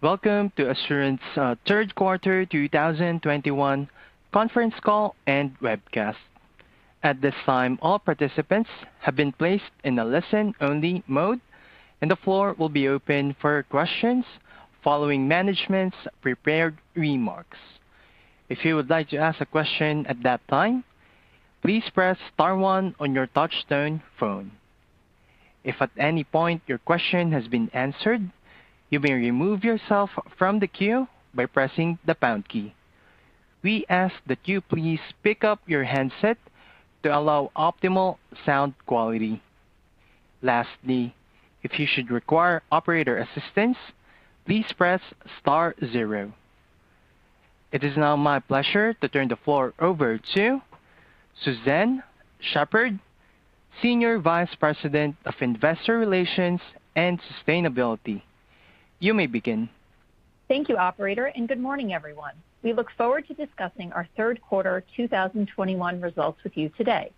Welcome to Assurant's Third Quarter 2021 Conference Call and Webcast. At this time, all participants have been placed in a listen-only mode, and the floor will be open for questions following management's prepared remarks. If you would like to ask a question at that time, please press star one on your touchtone phone. If at any point your question has been answered, you may remove yourself from the queue by pressing the pound key. We ask that you please pick up your handset to allow optimal sound quality. Lastly, if you should require operator assistance, please press star zero. It is now my pleasure to turn the floor over to Suzanne Shepherd, Senior Vice President of Investor Relations and Sustainability. You may begin. Thank you, operator, and good morning, everyone. We look forward to discussing our third quarter 2021 results with you today.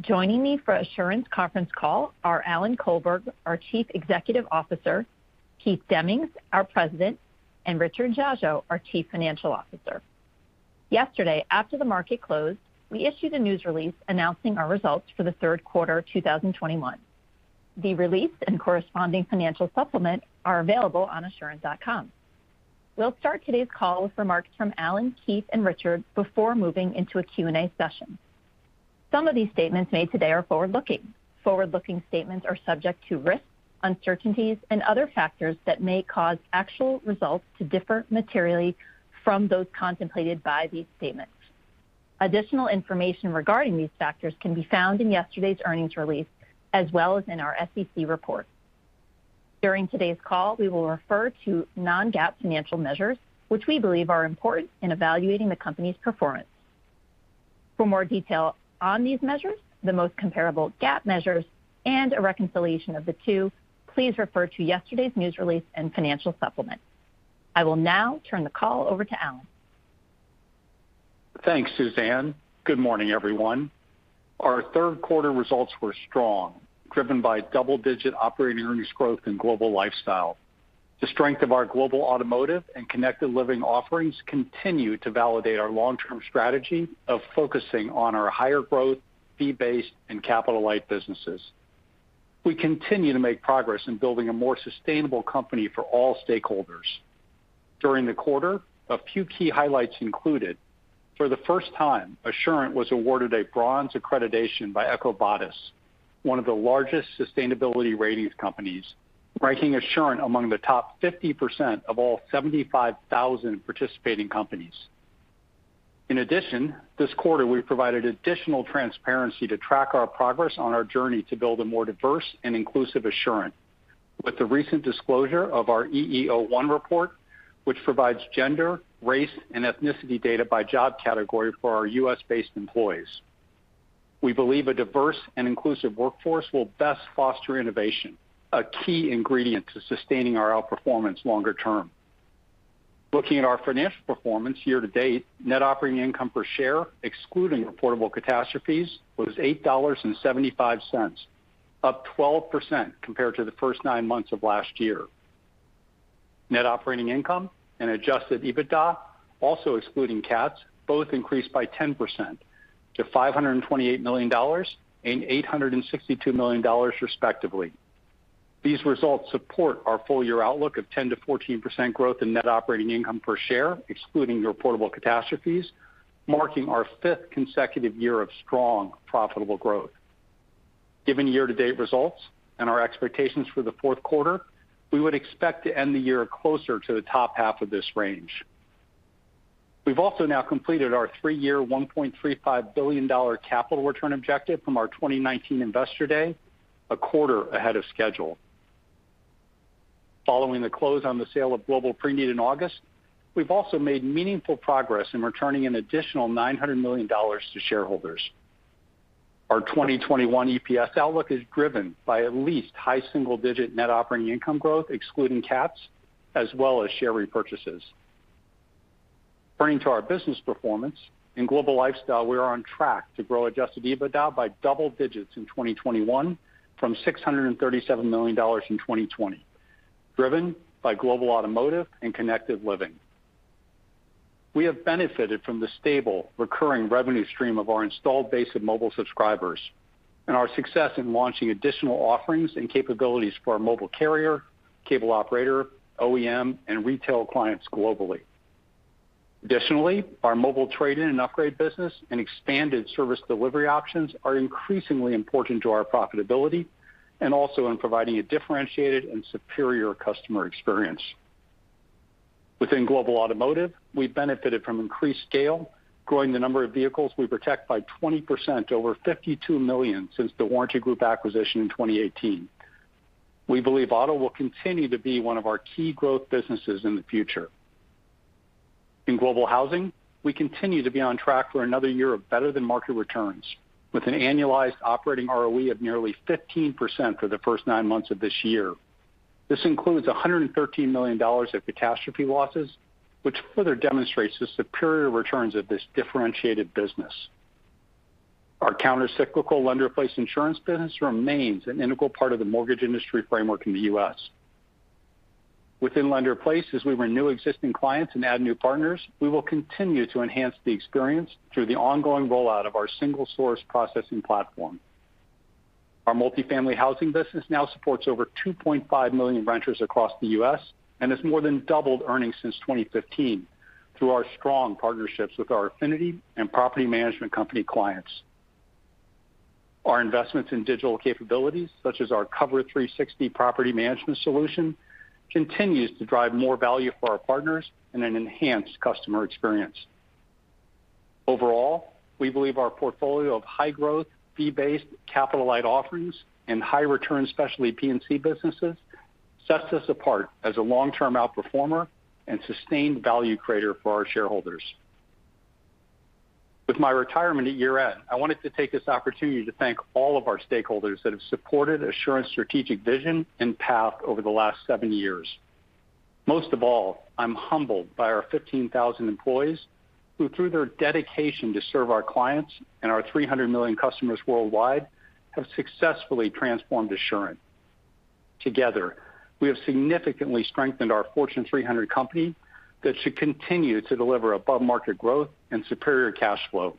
Joining me for Assurant's conference call are Alan Colberg, our Chief Executive Officer, Keith Demings, our President, and Richard Dziadzio, our Chief Financial Officer. Yesterday, after the market closed, we issued a news release announcing our results for the third quarter 2021. The release and corresponding financial supplement are available on assurant.com. We'll start today's call with remarks from Alan, Keith, and Richard before moving into a Q&A session. Some of these statements made today are forward-looking. Forward-looking statements are subject to risks, uncertainties, and other factors that may cause actual results to differ materially from those contemplated by these statements. Additional information regarding these factors can be found in yesterday's earnings release, as well as in our SEC report. During today's call, we will refer to non-GAAP financial measures, which we believe are important in evaluating the company's performance. For more detail on these measures, the most comparable GAAP measures, and a reconciliation of the two, please refer to yesterday's news release and financial supplement. I will now turn the call over to Alan. Thanks, Suzanne. Good morning, everyone. Our third quarter results were strong, driven by double-digit operating earnings growth in Global Lifestyle. The strength of our Global Automotive and Connected Living offerings continue to validate our long-term strategy of focusing on our higher growth, fee-based, and capital-light businesses. We continue to make progress in building a more sustainable company for all stakeholders. During the quarter, a few key highlights included, for the first time, Assurant was awarded a bronze accreditation by EcoVadis, one of the largest sustainability ratings companies, ranking Assurant among the top 50% of all 75,000 participating companies. In addition, this quarter, we provided additional transparency to track our progress on our journey to build a more diverse and inclusive Assurant. With the recent disclosure of our EEO-1 report, which provides gender, race, and ethnicity data by job category for our U.S.-based employees. We believe a diverse and inclusive workforce will best foster innovation, a key ingredient to sustaining our outperformance longer term. Looking at our financial performance year to date, net operating income per share, excluding reportable catastrophes, was $8.75, up 12% compared to the first nine months of last year. Net operating income and adjusted EBITDA, also excluding CATs, both increased by 10% to $528 million and $862 million, respectively. These results support our full year outlook of 10%-14% growth in net operating income per share, excluding reportable catastrophes, marking our fifth consecutive year of strong, profitable growth. Given year to date results and our expectations for the fourth quarter, we would expect to end the year closer to the top half of this range. We've also now completed our three-year, $1.35 billion capital return objective from our 2019 Investor Day, a quarter ahead of schedule. Following the close on the sale of Global Preneed in August, we've also made meaningful progress in returning an additional $900 million to shareholders. Our 2021 EPS outlook is driven by at least high single-digit net operating income growth, excluding CATs, as well as share repurchases. Turning to our business performance, in Global Lifestyle, we are on track to grow adjusted EBITDA by double digits in 2021 from $637 million in 2020, driven by Global Automotive and Connected Living. We have benefited from the stable recurring revenue stream of our installed base of mobile subscribers and our success in launching additional offerings and capabilities for our mobile carrier, cable operator, OEM, and retail clients globally. Additionally, our mobile trade-in and upgrade business and expanded service delivery options are increasingly important to our profitability and also in providing a differentiated and superior customer experience. Within Global Automotive, we benefited from increased scale, growing the number of vehicles we protect by 20% over 52 million since The Warranty Group acquisition in 2018. We believe auto will continue to be one of our key growth businesses in the future. In Global Housing, we continue to be on track for another year of better-than-market returns with an annualized operating ROE of nearly 15% for the first nine months of this year. This includes $113 million of catastrophe losses, which further demonstrates the superior returns of this differentiated business. Our countercyclical lender-placed insurance business remains an integral part of the mortgage industry framework in the U.S. Within lender-placed, as we renew existing clients and add new partners, we will continue to enhance the experience through the ongoing rollout of our single source processing platform. Our multifamily housing business now supports over 2.5 million renters across the U.S. and has more than doubled earnings since 2015 through our strong partnerships with our affinity and property management company clients. Our investments in digital capabilities, such as our Cover360 property management solution, continues to drive more value for our partners and an enhanced customer experience. Overall, we believe our portfolio of high-growth, fee-based, capital-light offerings and high-return specialty P&C businesses sets us apart as a long-term outperformer and sustained value creator for our shareholders. With my retirement at year-end, I wanted to take this opportunity to thank all of our stakeholders that have supported Assurant's strategic vision and path over the last seven years. Most of all, I'm humbled by our 15,000 employees who through their dedication to serve our clients and our 300 million customers worldwide, have successfully transformed Assurant. Together, we have significantly strengthened our Fortune 500 company that should continue to deliver above market growth and superior cash flow.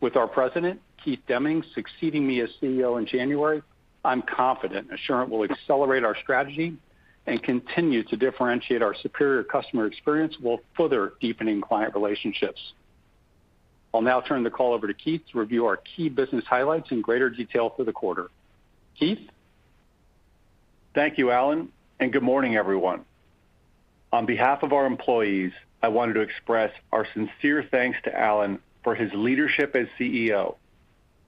With our President, Keith Demmings, succeeding me as CEO in January, I'm confident Assurant will accelerate our strategy and continue to differentiate our superior customer experience while further deepening client relationships. I'll now turn the call over to Keith Demmings to review our key business highlights in greater detail for the quarter. Keith? Thank you, Alan, and good morning, everyone. On behalf of our employees, I wanted to express our sincere thanks to Alan for his leadership as CEO.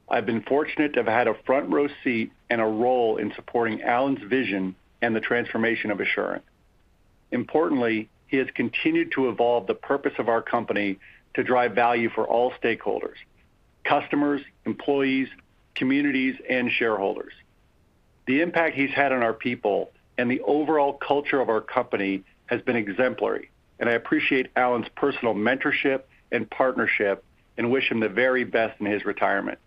I've been fortunate to have had a front row seat and a role in supporting Alan's vision and the transformation of Assurant. Importantly, he has continued to evolve the purpose of our company to drive value for all stakeholders, customers, employees, communities, and shareholders. The impact he's had on our people and the overall culture of our company has been exemplary, and I appreciate Alan's personal mentorship and partnership and wish him the very best in his retirement.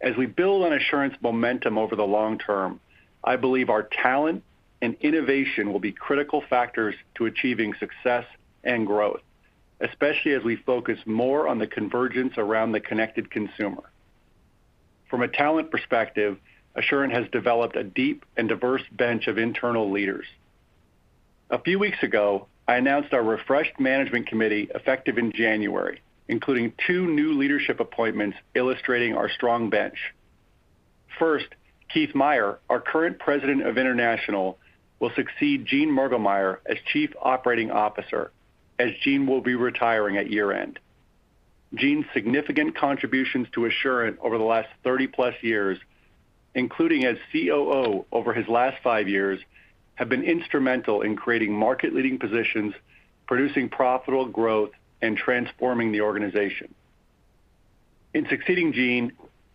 As we build on Assurant's momentum over the long term, I believe our talent and innovation will be critical factors to achieving success and growth, especially as we focus more on the convergence around the connected consumer. From a talent perspective, Assurant has developed a deep and diverse bench of internal leaders. A few weeks ago, I announced our refreshed management committee effective in January, including two new leadership appointments illustrating our strong bench. First, Keith Meier, our current President of International, will succeed Gene Mergelmeyer as Chief Operating Officer, as Gene will be retiring at year-end. Gene's significant contributions to Assurant over the last 30-plus years, including as COO over his last five years, have been instrumental in creating market-leading positions, producing profitable growth, and transforming the organization. In succeeding Gene,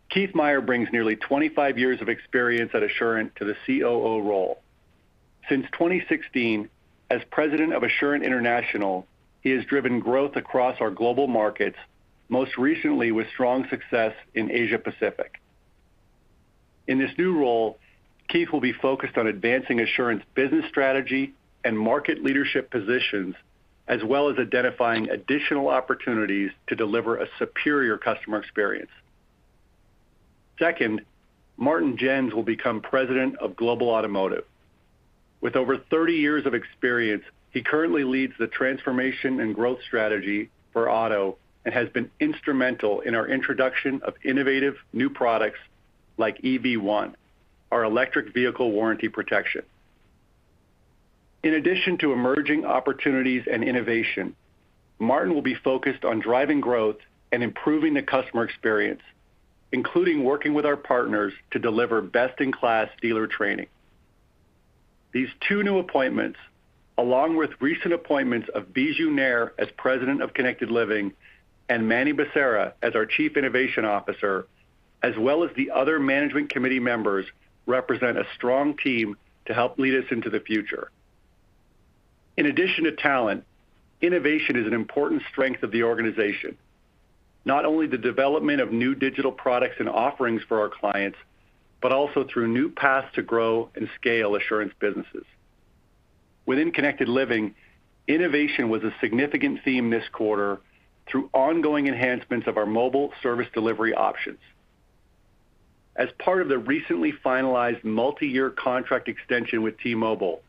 Keith Meier brings nearly 25 years of experience at Assurant to the COO role. Since 2016, as President of Assurant International, he has driven growth across our global markets, most recently with strong success in Asia Pacific. In this new role, Keith will be focused on advancing Assurant's business strategy and market leadership positions, as well as identifying additional opportunities to deliver a superior customer experience. Second, Martin Jenns will become President of Global Automotive. With over 30 years of experience, he currently leads the transformation and growth strategy for auto and has been instrumental in our introduction of innovative new products like EV One, our electric vehicle warranty protection. In addition to emerging opportunities and innovation, Martin will be focused on driving growth and improving the customer experience, including working with our partners to deliver best-in-class dealer training. These two new appointments, along with recent appointments of Biju Nair as President of Connected Living and Manny Becerra as our Chief Innovation Officer, as well as the other management committee members, represent a strong team to help lead us into the future. In addition to talent, innovation is an important strength of the organization, not only the development of new digital products and offerings for our clients, but also through new paths to grow and scale Assurant's businesses. Within Connected Living, innovation was a significant theme this quarter through ongoing enhancements of our mobile service delivery options. As part of the recently finalized multi-year contract extension with T-Mobile,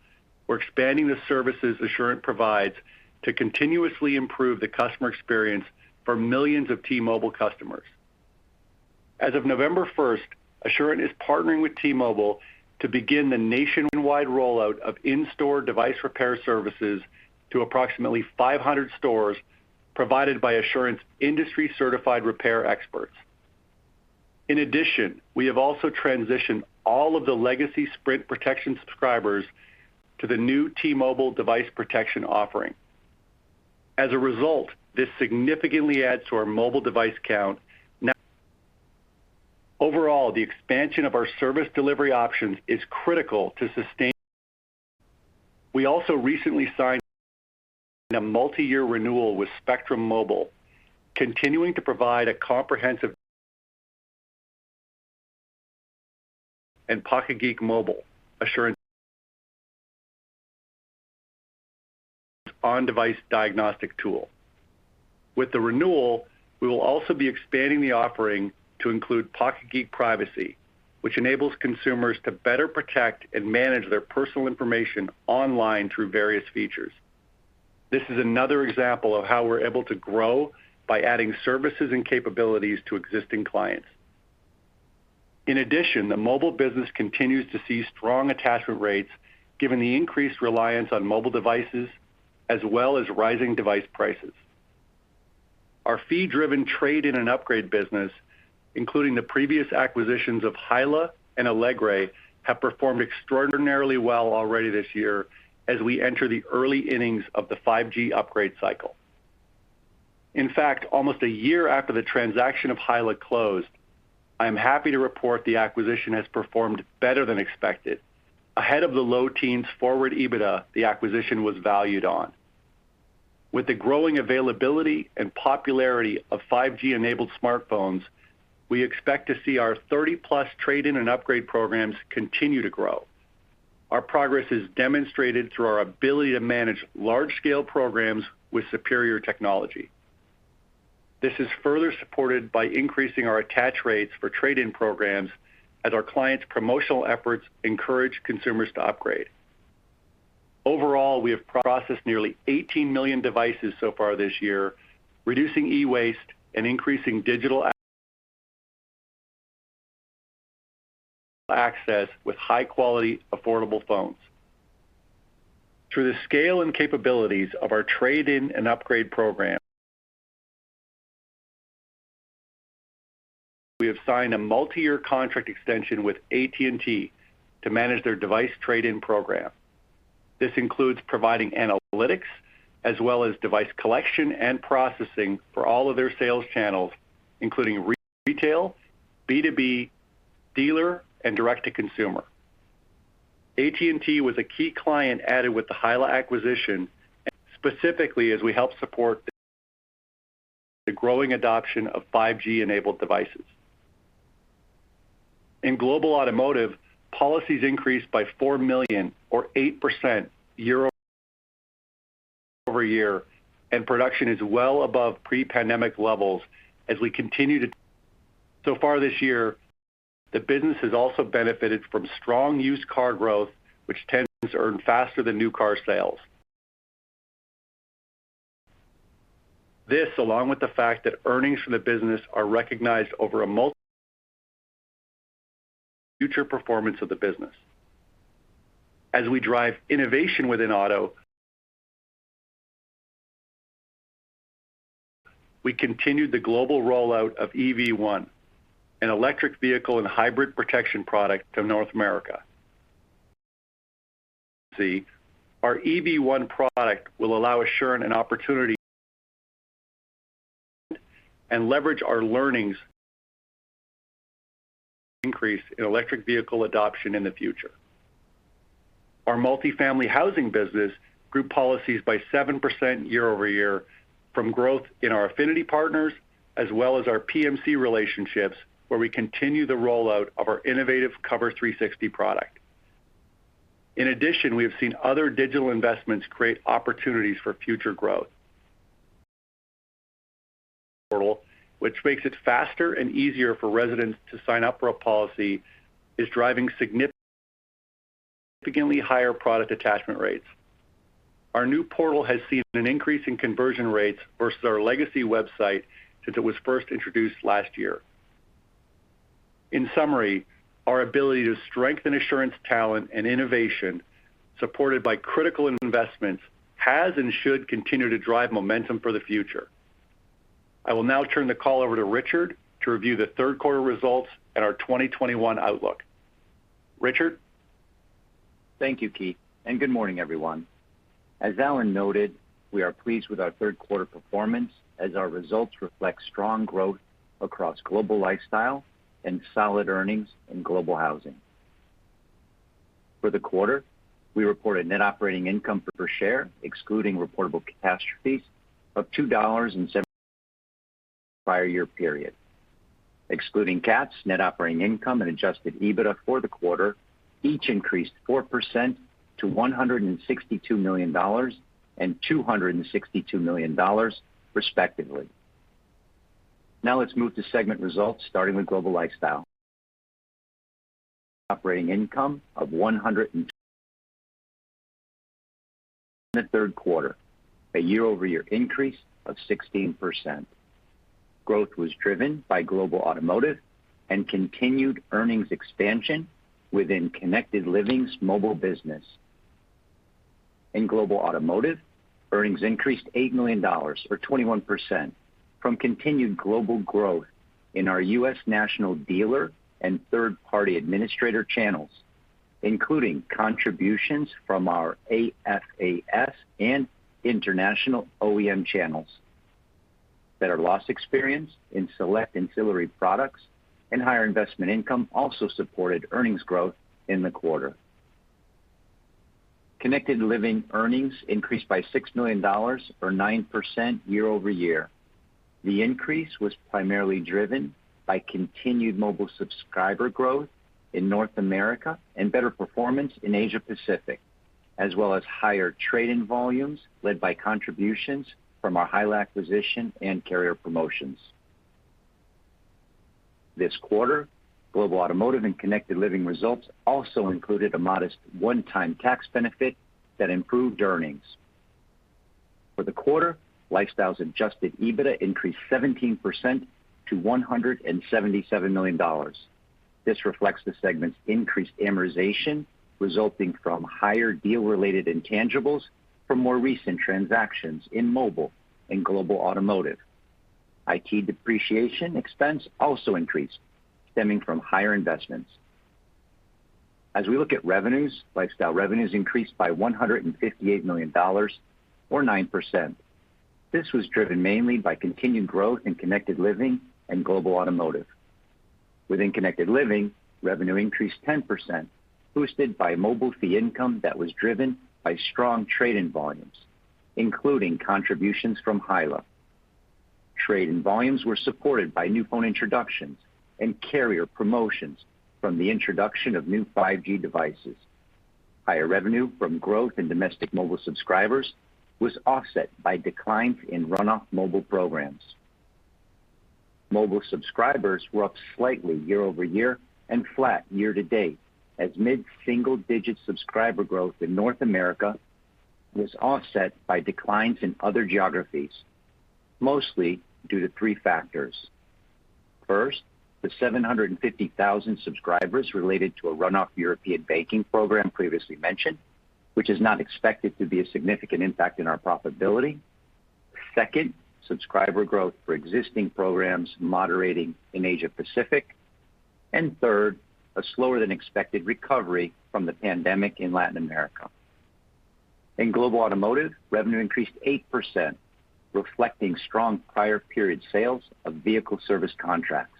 we're expanding the services Assurant provides to continuously improve the customer experience for millions of T-Mobile customers. As of November 1st, Assurant is partnering with T-Mobile to begin the nationwide rollout of in-store device repair services to approximately 500 stores provided by Assurant's industry-certified repair experts. In addition, we have also transitioned all of the legacy Sprint protection subscribers to the new T-Mobile device protection offering. As a result, this significantly adds to our mobile device count, now. Overall, the expansion of our service delivery options is critical to sustain. We also recently signed a multi-year renewal with Spectrum Mobile, continuing to provide a comprehensive and Pocket Geek Mobile assurance on-device diagnostic tool. With the renewal, we will also be expanding the offering to include Pocket Geek Privacy, which enables consumers to better protect and manage their personal information online through various features. This is another example of how we're able to grow by adding services and capabilities to existing clients. In addition, the mobile business continues to see strong attachment rates given the increased reliance on mobile devices as well as rising device prices. Our fee-driven trade-in and upgrade business, including the previous acquisitions of HYLA and Alegre, have performed extraordinarily well already this year as we enter the early innings of the 5G upgrade cycle. In fact, almost a year after the transaction of HYLA closed, I am happy to report the acquisition has performed better than expected. Ahead of the low teens forward EBITDA, the acquisition was valued on. With the growing availability and popularity of 5G-enabled smartphones, we expect to see our 30-plus trade-in and upgrade programs continue to grow. Our progress is demonstrated through our ability to manage large-scale programs with superior technology. This is further supported by increasing our attach rates for trade-in programs as our clients' promotional efforts encourage consumers to upgrade. Overall, we have processed nearly 18 million devices so far this year, reducing e-waste and increasing digital access with high-quality, affordable phones. Through the scale and capabilities of our trade-in and upgrade programs, we have signed a multi-year contract extension with AT&T to manage their device trade-in program. This includes providing analytics as well as device collection and processing for all of their sales channels, including retail, B2B, dealer, and direct-to-consumer. AT&T was a key client added with the HYLA acquisition, specifically as we help support the growing adoption of 5G-enabled devices. In Global Automotive, policies increased by 4 million or 8% year-over-year, and production is well above pre-pandemic levels. So far this year, the business has also benefited from strong used car growth, which tends to earn faster than new car sales. This, along with the fact that earnings from the business are recognized over a multi-year period for future performance of the business. As we drive innovation within auto, we continued the global rollout of EV One, an electric vehicle and hybrid protection product to North America. Our EV One product will allow Assurant an opportunity to leverage our learnings to increase in electric vehicle adoption in the future. Our multifamily housing business grew policies by 7% year-over-year from growth in our affinity partners as well as our PMC relationships, where we continue the rollout of our innovative Cover360 product. In addition, we have seen other digital investments create opportunities for future growth. Portal, which makes it faster and easier for residents to sign up for a policy, is driving significantly higher product attachment rates. Our new portal has seen an increase in conversion rates vs our legacy website since it was first introduced last year. In summary, our ability to strengthen Assurant's talent and innovation supported by critical investments has and should continue to drive momentum for the future. I will now turn the call over to Richard to review the third quarter results and our 2021 outlook. Richard? Thank you, Keith, and good morning, everyone. As Alan noted, we are pleased with our third quarter performance as our results reflect strong growth across Global Lifestyle and solid earnings in Global Housing. For the quarter, we reported net operating income per share, excluding reportable catastrophes, of $2.07 vs prior year period. Excluding CATs, net operating income and adjusted EBITDA for the quarter each increased 4% to $162 million and $262 million respectively. Now let's move to segment results, starting with Global Lifestyle. Operating income of $103 million for the third quarter, a year-over-year increase of 16%. Growth was driven by Global Automotive and continued earnings expansion within Connected Living's mobile business. In Global Automotive, earnings increased $8 million or 21% from continued global growth in our U.S. national dealer and third-party administrator channels, including contributions from our AFAS and international OEM channels. Better loss experience in select ancillary products and higher investment income also supported earnings growth in the quarter. Connected Living earnings increased by $6 million or 9% year-over-year. The increase was primarily driven by continued mobile subscriber growth in North America and better performance in Asia Pacific, as well as higher trade-in volumes led by contributions from our HYLA acquisition and carrier promotions. This quarter, Global Automotive and Connected Living results also included a modest one-time tax benefit that improved earnings. For the quarter, Global Lifestyle adjusted EBITDA increased 17% to $177 million. This reflects the segment's increased amortization resulting from higher deal-related intangibles for more recent transactions in Mobile and Global Automotive. IT depreciation expense also increased, stemming from higher investments. As we look at revenues, Lifestyle revenues increased by $158 million or 9%. This was driven mainly by continued growth in Connected Living and Global Automotive. Within Connected Living, revenue increased 10%, boosted by mobile fee income that was driven by strong trade-in volumes, including contributions from HYLA. Trade-in volumes were supported by new phone introductions and carrier promotions from the introduction of new 5G devices. Higher revenue from growth in domestic mobile subscribers was offset by declines in runoff mobile programs. Mobile subscribers were up slightly year-over-year and flat year-to-date as mid-single digit subscriber growth in North America was offset by declines in other geographies, mostly due to three factors. First, the 750,000 subscribers related to a runoff European banking program previously mentioned, which is not expected to be a significant impact in our profitability. Second, subscriber growth for existing programs moderating in Asia Pacific. Third, a slower than expected recovery from the pandemic in Latin America. In Global Automotive, revenue increased 8%, reflecting strong prior period sales of vehicle service contracts.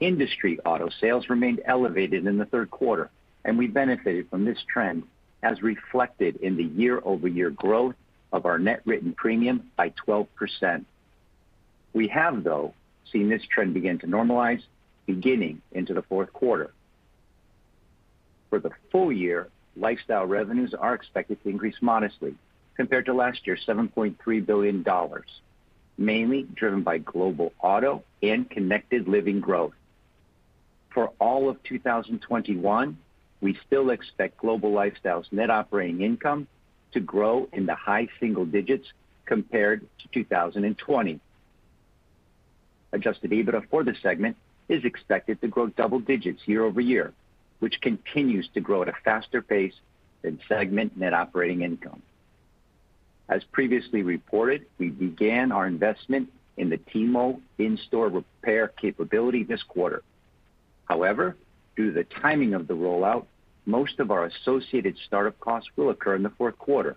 Industry auto sales remained elevated in the third quarter, and we benefited from this trend as reflected in the year-over-year growth of our net written premium by 12%. We have, though, seen this trend begin to normalize beginning into the fourth quarter. For the full year, Lifestyle revenues are expected to increase modestly compared to last year's $7.3 billion, mainly driven by Global Auto and Connected Living growth. For all of 2021, we still expect Global Lifestyle net operating income to grow in the high single digits% compared to 2020. Adjusted EBITDA for the segment is expected to grow double digits year-over-year, which continues to grow at a faster pace than segment net operating income. As previously reported, we began our investment in the T-Mobile in-store repair capability this quarter. However, due to the timing of the rollout, most of our associated startup costs will occur in the fourth quarter.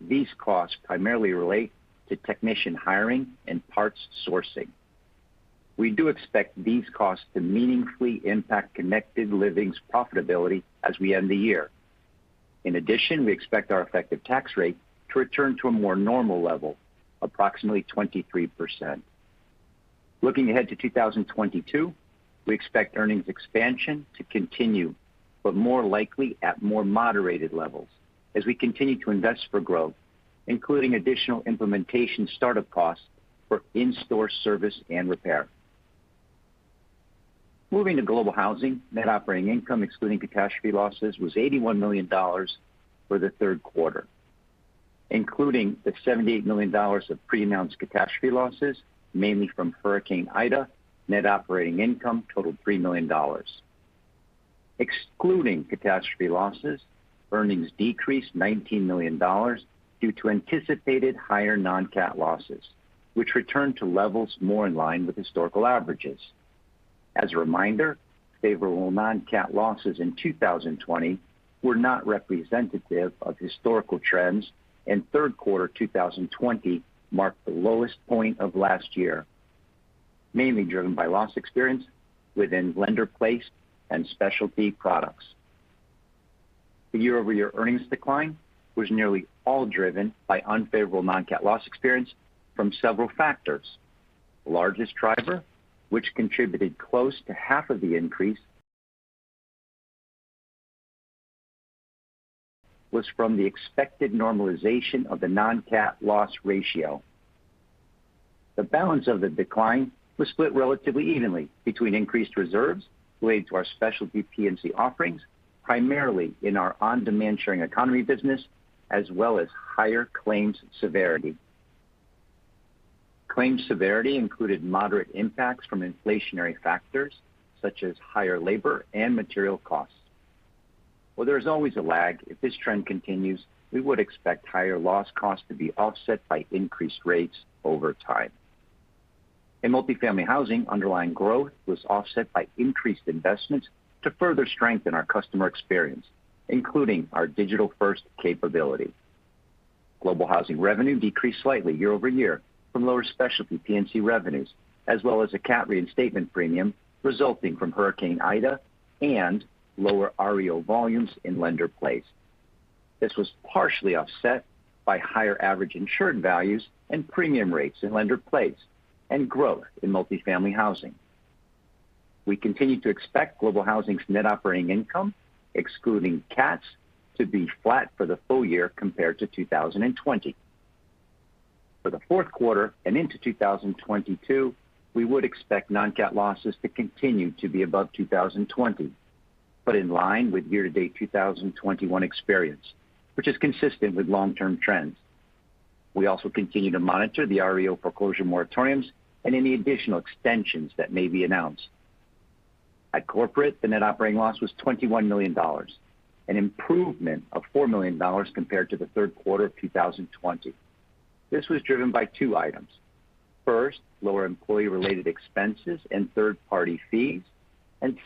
These costs primarily relate to technician hiring and parts sourcing. We do expect these costs to meaningfully impact Connected Living's profitability as we end the year. In addition, we expect our effective tax rate to return to a more normal level, approximately 23%. Looking ahead to 2022, we expect earnings expansion to continue, but more likely at more moderated levels as we continue to invest for growth, including additional implementation startup costs for in-store service and repair. Moving to Global Housing, net operating income excluding catastrophe losses was $81 million for the third quarter, including the $78 million of pre-announced catastrophe losses, mainly from Hurricane Ida. Net operating income totaled $3 million. Excluding catastrophe losses, earnings decreased $19 million due to anticipated higher non-CAT losses, which returned to levels more in line with historical averages. As a reminder, favorable non-CAT losses in 2020 were not representative of historical trends, and third quarter 2020 marked the lowest point of last year, mainly driven by loss experience within lender-placed and specialty products. The year-over-year earnings decline was nearly all driven by unfavorable non-CAT loss experience from several factors. The largest driver, which contributed close to half of the increase, was from the expected normalization of the non-CAT loss ratio. The balance of the decline was split relatively evenly between increased reserves related to our specialty P&C offerings, primarily in our on-demand sharing economy business, as well as higher claims severity. Claims severity included moderate impacts from inflationary factors such as higher labor and material costs. While there is always a lag, if this trend continues, we would expect higher loss costs to be offset by increased rates over time. In multifamily housing, underlying growth was offset by increased investments to further strengthen our customer experience, including our digital first capability. Global Housing revenue decreased slightly year-over-year from lower specialty P&C revenues, as well as a CAT reinstatement premium resulting from Hurricane Ida and lower REO volumes in Lender-Placed. This was partially offset by higher average insured values and premium rates in Lender-Placed and growth in multifamily housing. We continue to expect Global Housing's net operating income, excluding CATs, to be flat for the full year compared to 2020. For the fourth quarter and into 2022, we would expect non-CAT losses to continue to be above 2020, but in line with year-to-date 2021 experience, which is consistent with long-term trends. We also continue to monitor the REO foreclosure moratoriums and any additional extensions that may be announced. At corporate, the net operating loss was $21 million, an improvement of $4 million compared to the third quarter of 2020. This was driven by two items. First, lower employee-related expenses and third-party fees.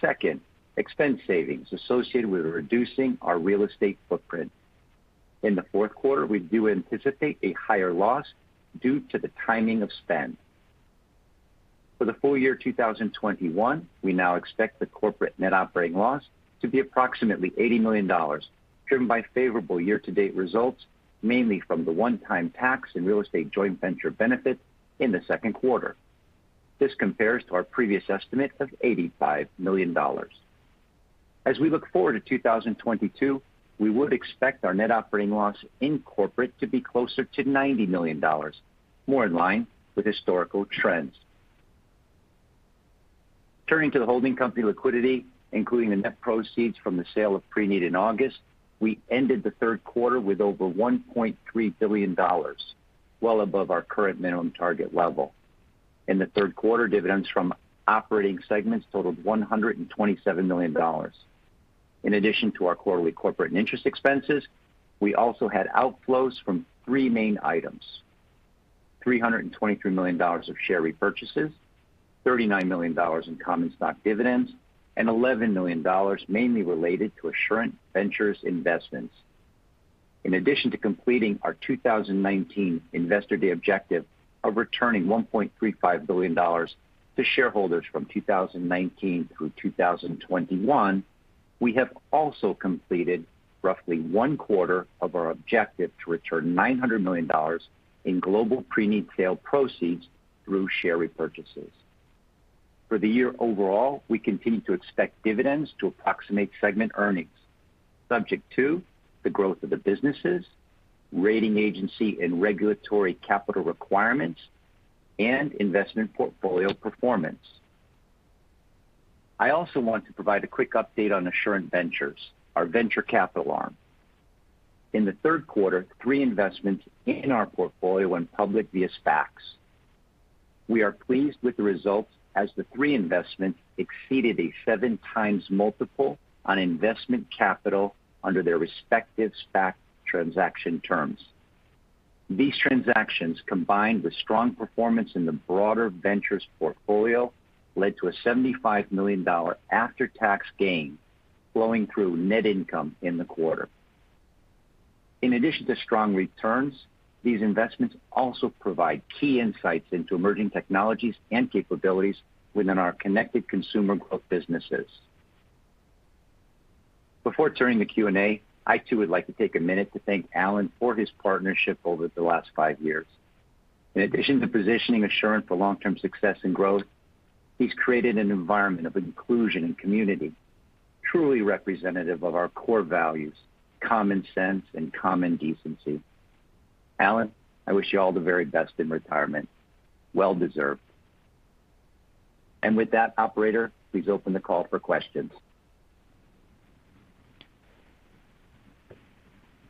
Second, expense savings associated with reducing our real estate footprint. In the fourth quarter, we do anticipate a higher loss due to the timing of spend. For the full year 2021, we now expect the corporate net operating loss to be approximately $80 million, driven by favorable year-to-date results, mainly from the one-time tax and real estate joint venture benefit in the second quarter. This compares to our previous estimate of $85 million. As we look forward to 2022, we would expect our net operating loss in corporate to be closer to $90 million, more in line with historical trends. Turning to the holding company liquidity, including the net proceeds from the sale of Preneed in August, we ended the third quarter with over $1.3 billion, well above our current minimum target level. In the third quarter, dividends from operating segments totaled $127 million. In addition to our quarterly corporate and interest expenses, we also had outflows from three main items, $323 million of share repurchases, $39 million in common stock dividends, and $11 million mainly related to Assurant Ventures investments. In addition to completing our 2019 Investor Day objective of returning $1.35 billion to shareholders from 2019 through 2021, we have also completed roughly one quarter of our objective to return $900 million in Global Preneed sale proceeds through share repurchases. For the year overall, we continue to expect dividends to approximate segment earnings, subject to the growth of the businesses, rating agency and regulatory capital requirements, and investment portfolio performance. I also want to provide a quick update on Assurant Ventures, our venture capital arm. In the third quarter, three investments in our portfolio went public via SPACs. We are pleased with the results as the three investments exceeded a 7x multiple on investment capital under their respective SPAC transaction terms. These transactions, combined with strong performance in the broader ventures portfolio, led to a $75 million after-tax gain flowing through net income in the quarter. In addition to strong returns, these investments also provide key insights into emerging technologies and capabilities within our connected consumer growth businesses. Before turning to Q&A, I too would like to take a minute to thank Alan for his partnership over the last five years. In addition to positioning Assurant for long-term success and growth, he's created an environment of inclusion and community truly representative of our core values, common sense and common decency. Alan, I wish you all the very best in retirement. Well deserved. With that, operator, please open the call for questions.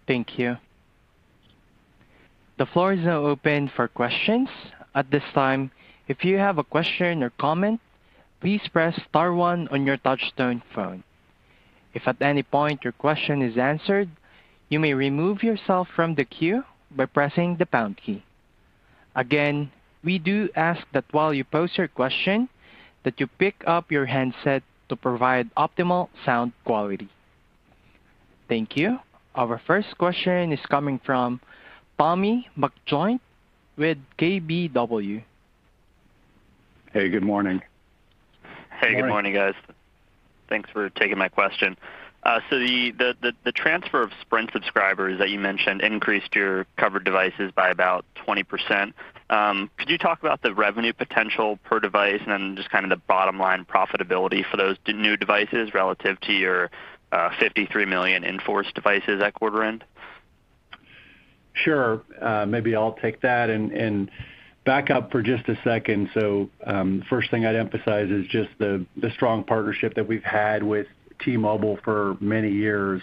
Thank you. The floor is now open for questions. At this time, if you have a question or comment, please press star one on your touchtone phone. If at any point your question is answered, you may remove yourself from the queue by pressing the pound key. Again, we do ask that while you pose your question, that you pick up your handset to provide optimal sound quality. Thank you. Our first question is coming from Tommy McJoynt with KBW. Hey, good morning. Hey, good morning, guys. Thanks for taking my question. The transfer of Sprint subscribers that you mentioned increased your covered devices by about 20%. Could you talk about the revenue potential per device and then just kind of the bottom-line profitability for those new devices relative to your 53 million in-force devices at quarter end? Sure. Maybe I'll take that and back up for just a second. First thing I'd emphasize is just the strong partnership that we've had with T-Mobile for many years,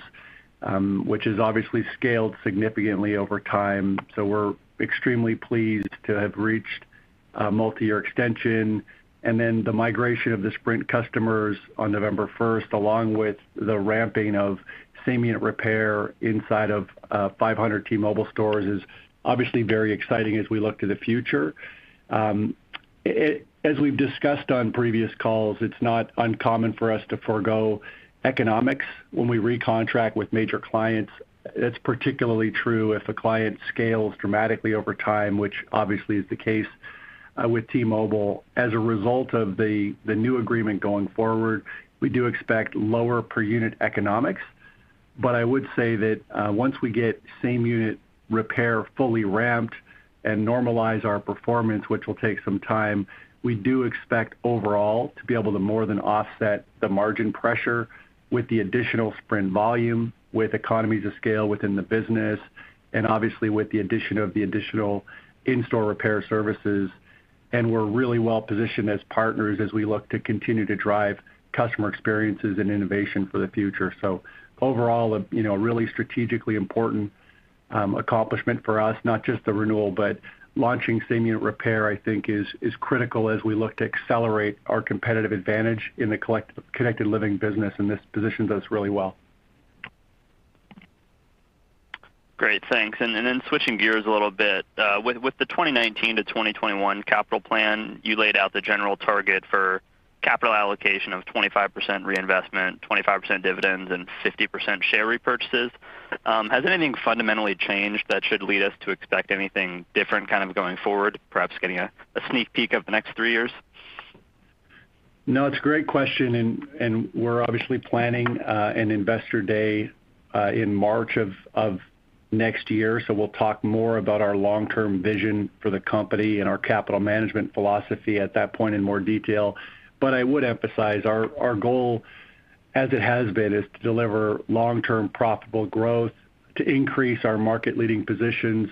which has obviously scaled significantly over time. We're extremely pleased to have reached a multi-year extension. Then the migration of the Sprint customers on November first, along with the ramping of same-unit repair inside of 500 T-Mobile stores is obviously very exciting as we look to the future. As we've discussed on previous calls, it's not uncommon for us to forego economics when we recontract with major clients. It's particularly true if a client scales dramatically over time, which obviously is the case with T-Mobile. As a result of the new agreement going forward, we do expect lower per unit economics. But I would say that once we get same unit repair fully ramped and normalize our performance, which will take some time, we do expect overall to be able to more than offset the margin pressure with the additional Sprint volume, with economies of scale within the business, and obviously, with the addition of the additional in-store repair services. We're really well-positioned as partners as we look to continue to drive customer experiences and innovation for the future. Overall, you know, really strategically important accomplishment for us, not just the renewal, but launching same unit repair, I think is critical as we look to accelerate our competitive advantage in the Connected Living business, and this positions us really well. Great. Thanks. Then switching gears a little bit. With the 2019-2021 capital plan, you laid out the general target for capital allocation of 25% reinvestment, 25% dividends, and 50% share repurchases. Has anything fundamentally changed that should lead us to expect anything different kind of going forward, perhaps getting a sneak peek of the next three years? No, it's a great question. We're obviously planning an Investor Day in March of next year, so we'll talk more about our long-term vision for the company and our capital management philosophy at that point in more detail. I would emphasize our goal, as it has been, is to deliver long-term profitable growth, to increase our market-leading positions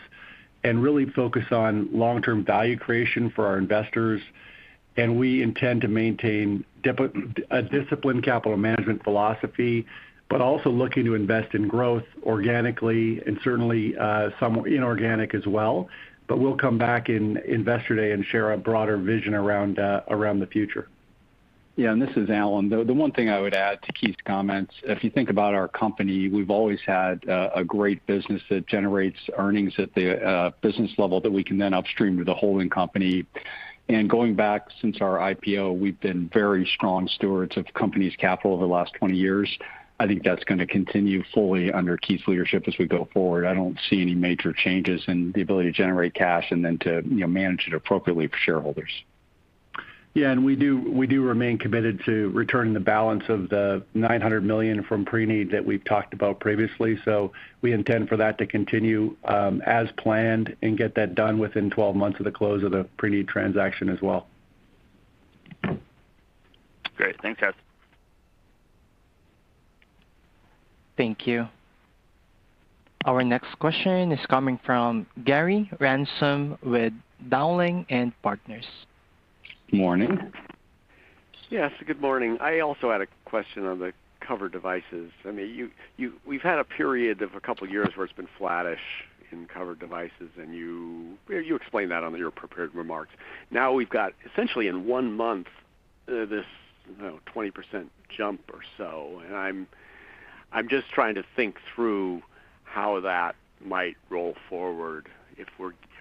and really focus on long-term value creation for our investors. We intend to maintain a disciplined capital management philosophy, but also looking to invest in growth organically and certainly some inorganic as well. We'll come back in Investor Day and share a broader vision around the future. Yeah, this is Alan. The one thing I would add to Keith's comments. If you think about our company, we've always had a great business that generates earnings at the business level that we can then upstream to the holding company. Going back since our IPO, we've been very strong stewards of company's capital over the last 20 years. I think that's gonna continue fully under Keith's leadership as we go forward. I don't see any major changes in the ability to generate cash and then to, you know, manage it appropriately for shareholders. Yeah, we do remain committed to returning the balance of the $900 million from Preneed that we've talked about previously. We intend for that to continue, as planned and get that done within 12 months of the close of the Preneed transaction as well. Great. Thanks, guys. Thank you. Our next question is coming from Gary Ransom with Dowling & Partners. Morning. Yes, good morning. I also had a question on the cover devices. I mean, we've had a period of a couple of years where it's been flattish in cover devices, and you explained that on your prepared remarks. Now we've got essentially in one month this 20% jump or so. I'm just trying to think through how that might roll forward.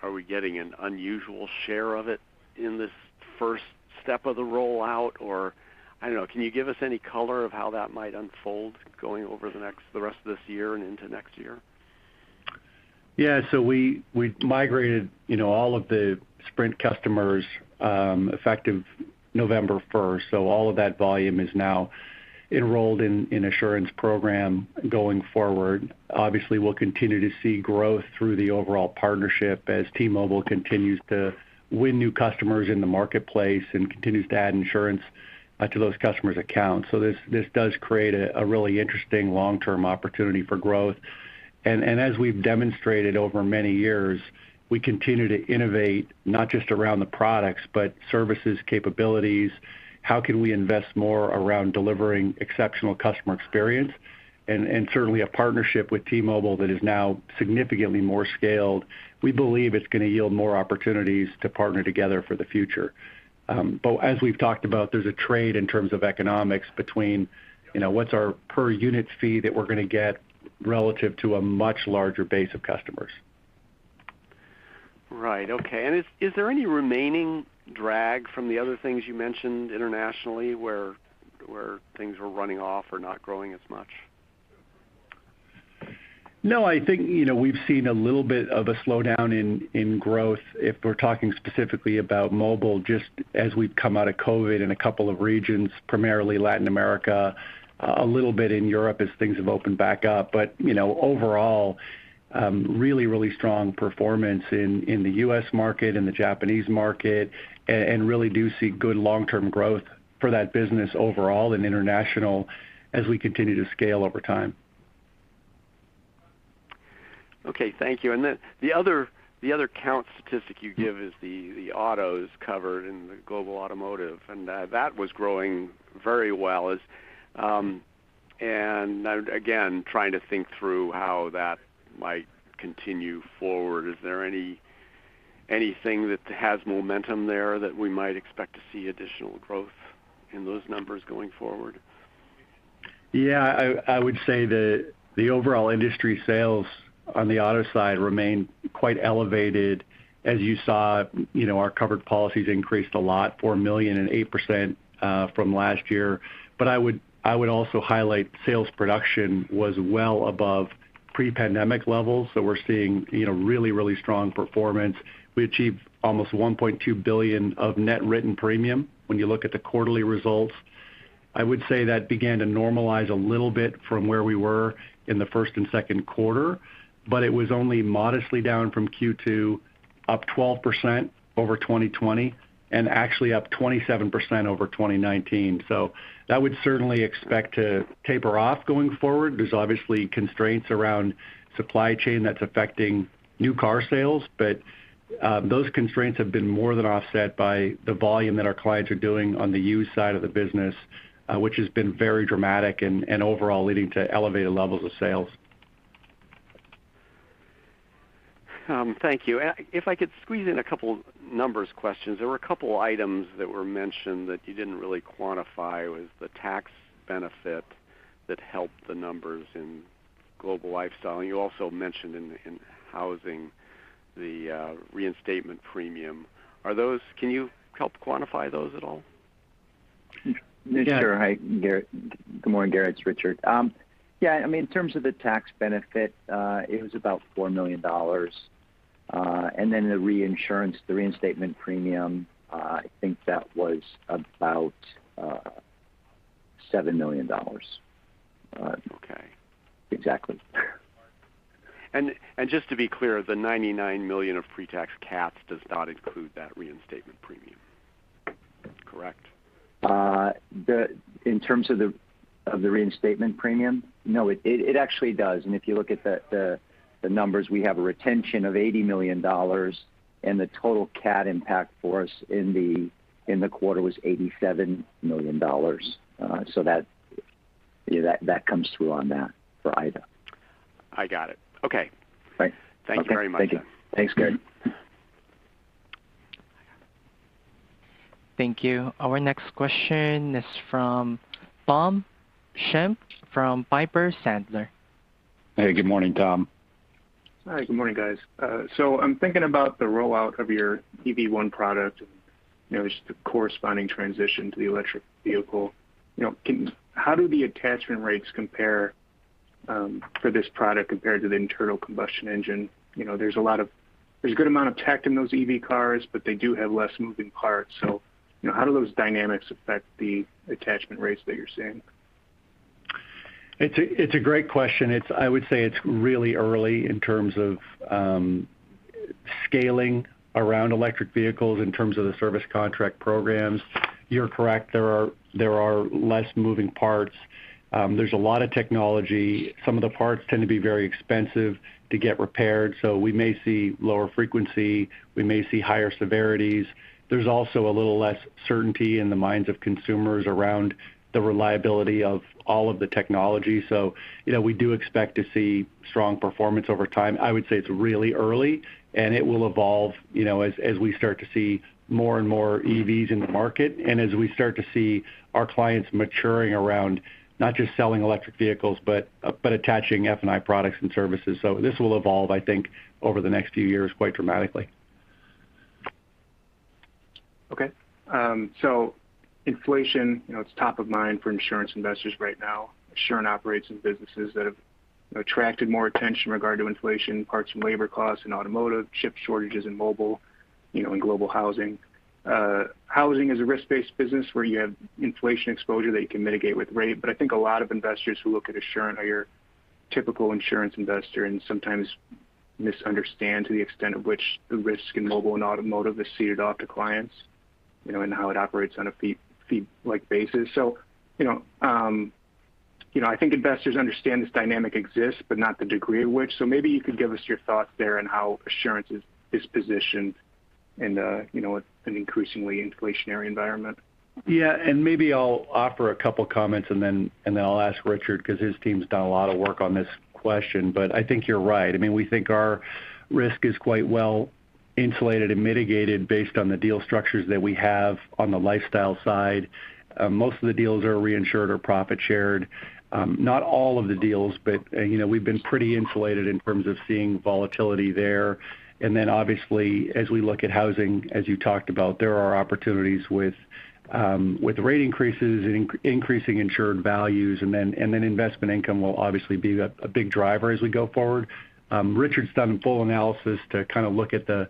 Are we getting an unusual share of it in this first step of the rollout? Or, I don't know, can you give us any color of how that might unfold going over the rest of this year and into next year? Yeah. We migrated, you know, all of the Sprint customers effective November first. All of that volume is now enrolled in Assurant program going forward. Obviously, we'll continue to see growth through the overall partnership as T-Mobile continues to win new customers in the marketplace and continues to add insurance to those customers' accounts. This does create a really interesting long-term opportunity for growth. As we've demonstrated over many years, we continue to innovate not just around the products, but services capabilities. How can we invest more around delivering exceptional customer experience? Certainly, a partnership with T-Mobile that is now significantly more scaled. We believe it's gonna yield more opportunities to partner together for the future. As we've talked about, there's a trade in terms of economics between, you know, what's our per unit fee that we're gonna get relative to a much larger base of customers. Right. Okay. Is there any remaining drag from the other things you mentioned internationally where things were running off or not growing as much? No, I think, you know, we've seen a little bit of a slowdown in growth if we're talking specifically about mobile, just as we've come out of COVID in a couple of regions, primarily Latin America, a little bit in Europe as things have opened back up. You know, overall, really strong performance in the U.S. market and the Japanese market, and really do see good long-term growth for that business overall in international as we continue to scale over time. Okay. Thank you. The other count statistic you give is the autos covered in the Global Automotive, and that was growing very well. Again, trying to think through how that might continue forward. Is there anything that has momentum there that we might expect to see additional growth in those numbers going forward? Yeah, I would say that the overall industry sales on the auto side remain quite elevated. As you saw, you know, our covered policies increased a lot, 4 million and 8%, from last year. I would also highlight sales production was well above pre-pandemic levels. We're seeing, you know, really strong performance. We achieved almost $1.2 billion of net written premium when you look at the quarterly results. I would say that began to normalize a little bit from where we were in the first and second quarter, but it was only modestly down from Q2, up 12% over 2020, and actually up 27% over 2019. That would certainly expect to taper off going forward. There's obviously constraints around supply chain that's affecting new car sales, but, those constraints have been more than offset by the volume that our clients are doing on the used side of the business, which has been very dramatic and overall leading to elevated levels of sales. Thank you. If I could squeeze in a couple number questions. There were a couple items that were mentioned that you didn't really quantify. What was the tax benefit that helped the numbers in Global Lifestyle, and you also mentioned in Housing the reinstatement premium. Can you help quantify those at all? Yeah. Sure. Good morning, Gary. It's Richard. Yeah, I mean, in terms of the tax benefit, it was about $4 million. The reinsurance, the reinstatement premium, I think that was about $7 million. Okay. Exactly. Just to be clear, the $99 million of pre-tax CATs does not include that reinstatement premium. Correct? In terms of the reinstatement premium? No, it actually does. If you look at the numbers, we have a retention of $80 million, and the total CAT impact for us in the quarter was $87 million. That, you know, that comes through on that for Ida. I got it. Okay. Thanks. Thank you very much. Thank you. Thanks, Gary Ransom. Thank you. Our next question is from Tom Shimp from Piper Sandler. Hey, good morning, Tom. Hi, good morning, guys. I'm thinking about the rollout of your EV One product and, you know, just the corresponding transition to the electric vehicle. You know, how do the attachment rates compare for this product compared to the internal combustion engine? You know, there's a good amount of tech in those EV cars, but they do have less moving parts. You know, how do those dynamics affect the attachment rates that you're seeing? It's a great question. I would say it's really early in terms of scaling around electric vehicles in terms of the service contract programs. You're correct, there are less moving parts. There's a lot of technology. Some of the parts tend to be very expensive to get repaired, so we may see lower frequency, we may see higher severities. There's also a little less certainty in the minds of consumers around the reliability of all of the technology. You know, we do expect to see strong performance over time. I would say it's really early, and it will evolve, you know, as we start to see more and more EVs in the market and as we start to see our clients maturing around not just selling electric vehicles, but attaching F&I products and services. This will evolve, I think, over the next few years quite dramatically. Okay. Inflation, you know, it's top of mind for insurance investors right now. Assurant operates in businesses that have attracted more attention in regard to inflation, parts and labor costs in automotive, chip shortages in mobile, you know, in Global Housing. Housing is a risk-based business where you have inflation exposure that you can mitigate with rate. I think a lot of investors who look at Assurant are your typical insurance investor and sometimes misunderstand to the extent of which the risk in mobile and automotive is ceded off to clients, you know, and how it operates on a fee-like basis. You know, I think investors understand this dynamic exists, but not the degree of which. Maybe you could give us your thoughts there on how Assurant is positioned in, you know, an increasingly inflationary environment. Yeah. Maybe I'll offer a couple comments and then I'll ask Richard because his team's done a lot of work on this question. I think you're right. I mean, we think our risk is quite well insulated and mitigated based on the deal structures that we have on the Lifestyle side. Most of the deals are reinsured or profit shared. Not all of the deals, but you know, we've been pretty insulated in terms of seeing volatility there. Obviously, as we look at Housing, as you talked about, there are opportunities with rate increases and increasing insured values, and investment income will obviously be a big driver as we go forward. Richard's done a full analysis to kind of look at the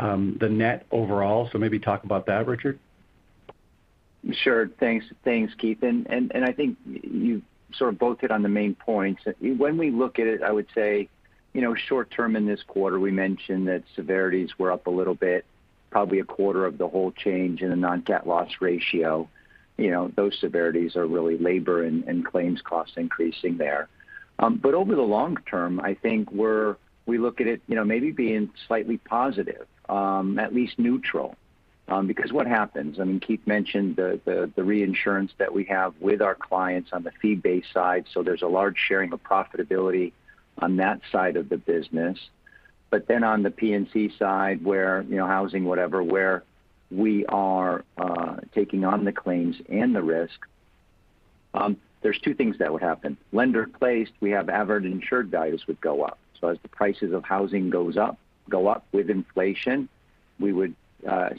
net overall. Maybe talk about that, Richard. Sure. Thanks. Thanks, Keith. I think you sort of both hit on the main points. When we look at it, I would say, you know, short term in this quarter, we mentioned that severities were up a little bit, probably a quarter of the whole change in the non-CAT loss ratio. You know, those severities are really labor and claims costs increasing there. But over the long term, I think we look at it, you know, maybe being slightly positive, at least neutral. Because what happens? I mean, Keith mentioned the reinsurance that we have with our clients on the fee-based side, so there's a large sharing of profitability on that side of the business. On the P&C side where, you know, housing, whatever, where we are taking on the claims and the risk, there are two things that would happen. Lender-placed, we have average insured values would go up. As the prices of housing goes up, go up with inflation, we would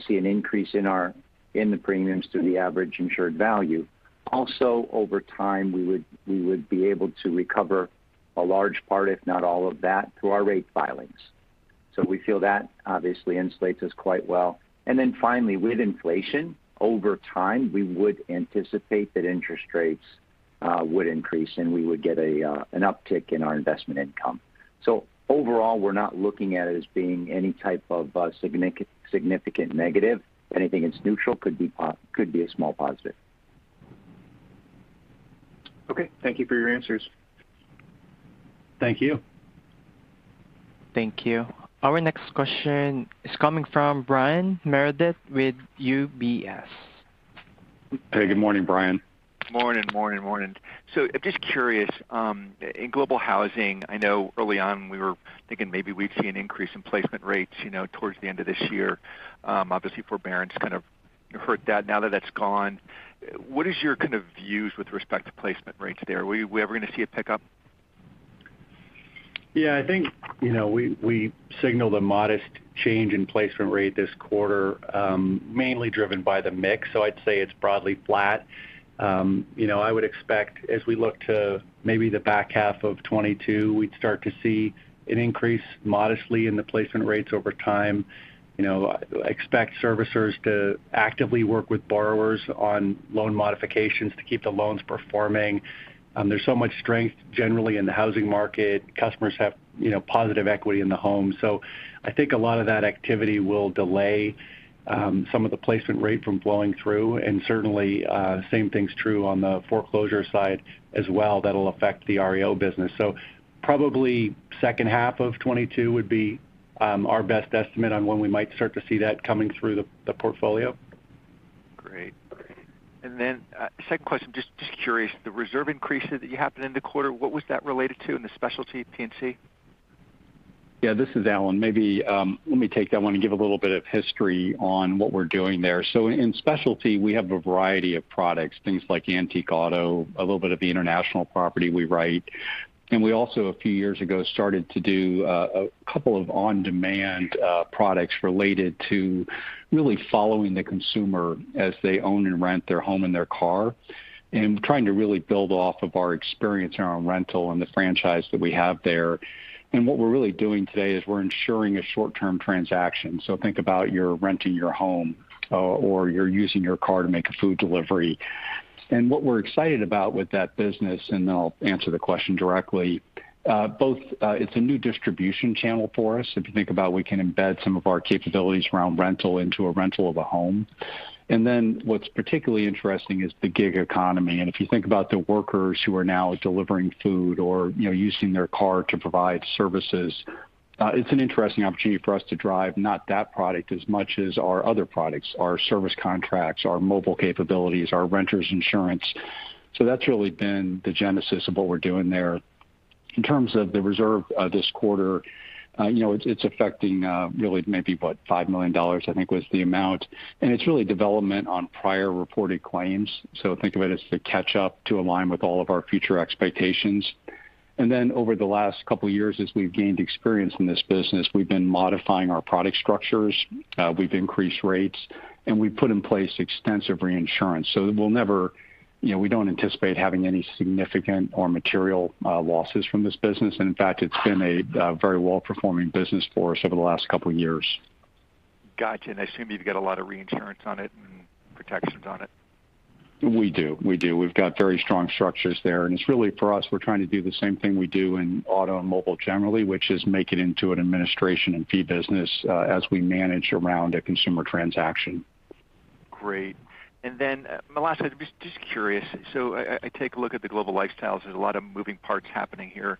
see an increase in our, in the premiums to the average insured value. Also, over time, we would be able to recover a large part, if not all of that, through our rate filings. We feel that obviously insulates us quite well. Finally, with inflation, over time, we would anticipate that interest rates would increase, and we would get an uptick in our investment income. Overall, we're not looking at it as being any type of significant negative. If anything, it's neutral. Could be a small positive. Okay, thank you for your answers. Thank you. Thank you. Our next question is coming from Brian Meredith with UBS. Hey, good morning, Brian. Morning. Just curious, in Global Housing, I know early on we were thinking maybe we'd see an increase in placement rates, you know, towards the end of this year. Obviously forbearance kind of hurt that. Now that that's gone, what is your kind of views with respect to placement rates there? Are we gonna see a pickup? Yeah, I think, you know, we signaled a modest change in placement rate this quarter, mainly driven by the mix, so I'd say it's broadly flat. You know, I would expect as we look to maybe the back half of 2022, we'd start to see an increase modestly in the placement rates over time. You know, expect servicers to actively work with borrowers on loan modifications to keep the loans performing. There's so much strength generally in the housing market. Customers have, you know, positive equity in the home. So I think a lot of that activity will delay some of the placement rate from flowing through, and certainly, same thing's true on the foreclosure side as well that'll affect the REO business. Probably second half of 2022 would be our best estimate on when we might start to see that coming through the portfolio. Great. Second question, just curious, the reserve increases that you had in the quarter, what was that related to in the specialty P&C? Yeah, this is Alan. Maybe, let me take that one and give a little bit of history on what we're doing there. In specialty, we have a variety of products, things like antique auto, a little bit of the international property we write. We also a few years ago started to do a couple of on-demand products related to really following the consumer as they own and rent their home and their car and trying to really build off of our experience around rental and the franchise that we have there. What we're really doing today is we're ensuring a short-term transaction. Think about you're renting your home or you're using your car to make a food delivery. What we're excited about with that business, and I'll answer the question directly, both, it's a new distribution channel for us. If you think about we can embed some of our capabilities around rental into a rental of a home. Then what's particularly interesting is the gig economy. If you think about the workers who are now delivering food or, you know, using their car to provide services, it's an interesting opportunity for us to drive not that product as much as our other products, our service contracts, our mobile capabilities, our renters insurance. That's really been the genesis of what we're doing there. In terms of the reserve, this quarter, you know, it's affecting really maybe what, $5 million, I think, was the amount. It's really development on prior reported claims. Think of it as the catch up to align with all of our future expectations. Then over the last couple years, as we've gained experience in this business, we've been modifying our product structures, we've increased rates, and we've put in place extensive reinsurance. We'll never, you know, we don't anticipate having any significant or material, losses from this business. In fact, it's been a very well-performing business for us over the last couple years. Got you. I assume you've got a lot of reinsurance on it and protections on it. We do. We've got very strong structures there, and it's really for us, we're trying to do the same thing we do in auto and mobile generally, which is make it into an administration and fee business, as we manage around a consumer transaction. Great. My last, just curious. I take a look at the Global Lifestyle. There's a lot of moving parts happening here.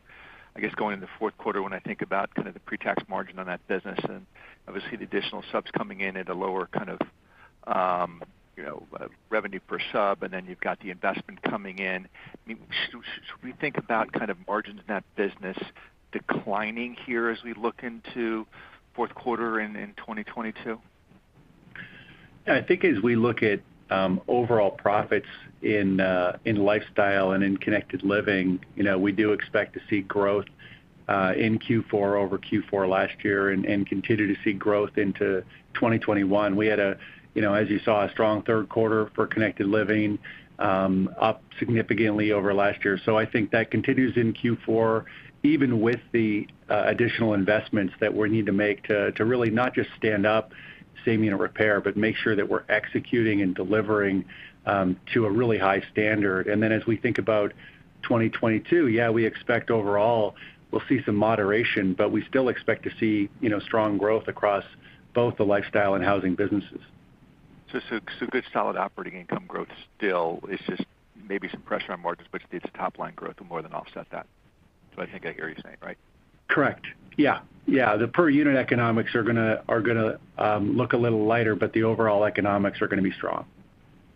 I guess going into the fourth quarter when I think about kind of the pre-tax margin on that business and obviously the additional subs coming in at a lower kind of, you know, revenue per sub, and then you've got the investment coming in. I mean, should we think about kind of margins in that business declining here as we look into fourth quarter in 2022? Yeah. I think as we look at overall profits in lifestyle and in connected living, you know, we do expect to see growth in Q4 over Q4 last year and continue to see growth into 2021. We had, you know, as you saw, a strong third quarter for connected living, up significantly over last year. I think that continues in Q4, even with the additional investments that we need to make to really not just stand up, say, you know, repair, but make sure that we're executing and delivering to a really high standard. Then as we think about 2022, yeah, we expect overall we'll see some moderation, but we still expect to see, you know, strong growth across both the lifestyle and housing businesses. Good solid operating income growth still. It's just maybe some pressure on margins, but it's top line growth will more than offset that. Is what I think I hear you saying, right? Correct. Yeah. Yeah. The per unit economics are gonna look a little lighter, but the overall economics are gonna be strong.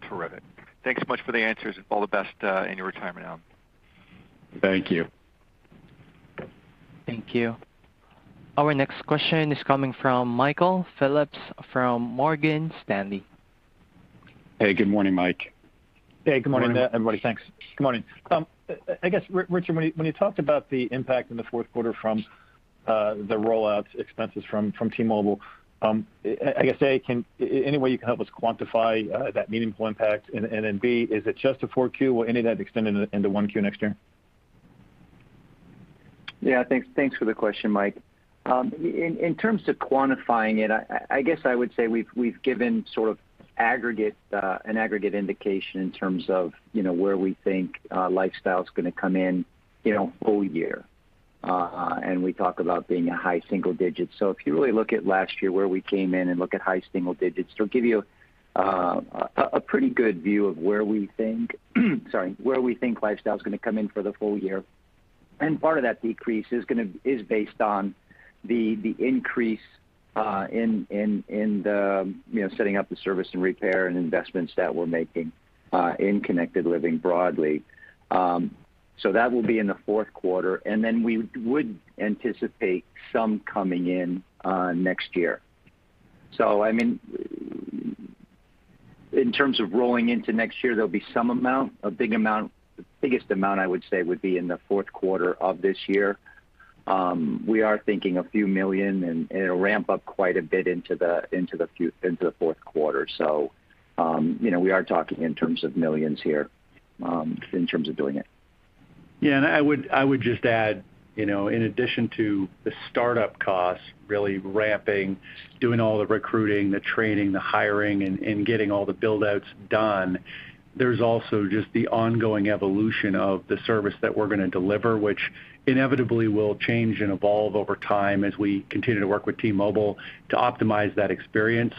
Terrific. Thanks so much for the answers. All the best in your retirement, Alan. Thank you. Thank you. Our next question is coming from Michael Phillips from Morgan Stanley. Hey, good morning, Mike. Hey, good morning, everybody. Thanks. Good morning. I guess Richard, when you talked about the impact in the fourth quarter from the rollout expenses from T-Mobile, I guess, A, can any way you can help us quantify that meaningful impact? Then, B, is it just a 4Q or any of that extended into 1Q next year? Yeah. Thanks for the question, Mike. In terms of quantifying it, I guess I would say we've given an aggregate indication in terms of, you know, where we think Lifestyle's gonna come in, you know, full year. We talk about being high single digits. If you really look at last year where we came in and look at high single digits, they'll give you a pretty good view of where we think Lifestyle is gonna come in for the full year. Part of that decrease is based on the increase in setting up the service and repair and investments that we're making in Connected Living broadly. That will be in the fourth quarter, and then we would anticipate some coming in next year. I mean, in terms of rolling into next year, there'll be some amount, a big amount. The biggest amount, I would say, would be in the fourth quarter of this year. We are thinking $a few million, and it'll ramp up quite a bit into the fourth quarter. You know, we are talking in terms of millions here, in terms of doing it. Yeah. I would just add, you know, in addition to the start-up costs really ramping, doing all the recruiting, the training, the hiring, and getting all the build-outs done, there's also just the ongoing evolution of the service that we're gonna deliver, which inevitably will change and evolve over time as we continue to work with T-Mobile to optimize that experience.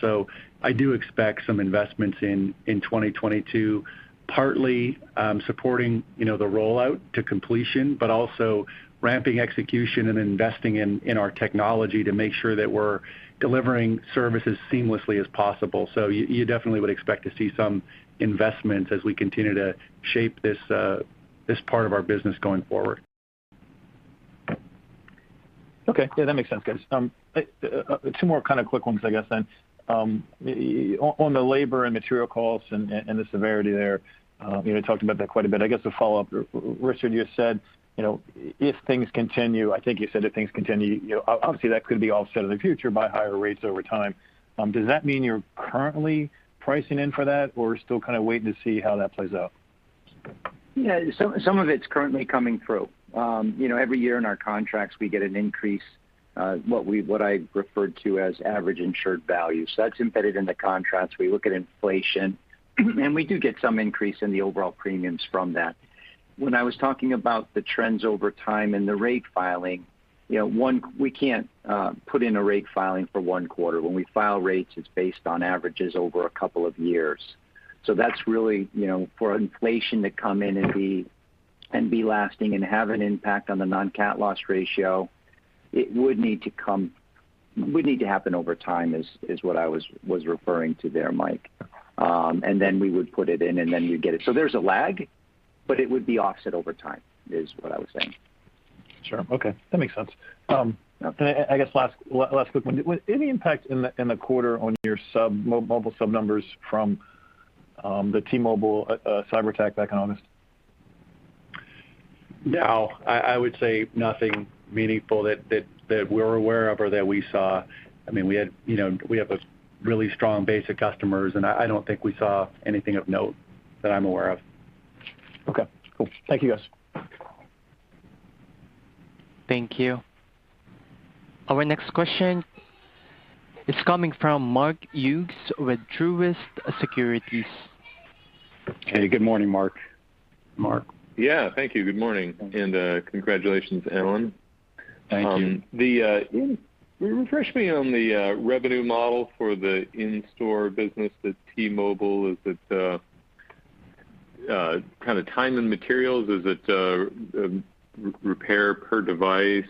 I do expect some investments in 2022, partly supporting, you know, the rollout to completion, but also ramping execution and investing in our technology to make sure that we're delivering services as seamlessly as possible. You definitely would expect to see some investments as we continue to shape this part of our business going forward. Okay. Yeah, that makes sense. Good. Two more kind of quick ones, I guess then. On the labor and material costs and the severity there, you know, talked about that quite a bit. I guess to follow-up, Richard, you said, you know, if things continue, obviously, that could be offset in the future by higher rates over time. Does that mean you're currently pricing in for that, or we're still kind of waiting to see how that plays out? Yeah. Some of it's currently coming through. You know, every year in our contracts, we get an increase, what I referred to as average insured value. So that's embedded in the contracts. We look at inflation, and we do get some increase in the overall premiums from that. When I was talking about the trends over time and the rate filing, you know, we can't put in a rate filing for one quarter. When we file rates, it's based on averages over a couple of years. So that's really, you know, for inflation to come in and be lasting and have an impact on the non-cat loss ratio, it would need to happen over time, is what I was referring to there, Mike. We would put it in, and then you'd get it. There's a lag, but it would be offset over time, is what I was saying. Sure. Okay. That makes sense. I guess last quick one. Was any impact in the quarter on your mobile sub numbers from the T-Mobile cyberattack back in August? No. I would say nothing meaningful that we're aware of or that we saw. I mean, you know, we have a really strong base of customers, and I don't think we saw anything of note that I'm aware of. Okay. Cool. Thank you, guys. Thank you. Our next question is coming from Mark Hughes with Truist Securities. Hey, good morning, Mark. Yeah. Thank you. Good morning. Congratulations, Alan. Thank you. Refresh me on the revenue model for the in-store business with T-Mobile. Is it kind of time and materials? Is it repair per device,